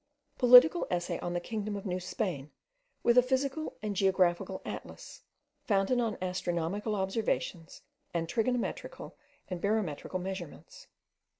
POLITICAL ESSAY ON THE KINGDOM OF NEW SPAIN, WITH A PHYSICAL AND GEOGRAPHICAL ATLAS, FOUNDED ON ASTRONOMICAL OBSERVATIONS AND TRIGONOMETRICAL AND BAROMETRICAL MEASUREMENTS.